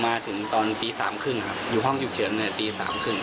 มาถึงตอนตีสามครึ่งครับอยู่ห้องจุดเฉินตีสามครึ่ง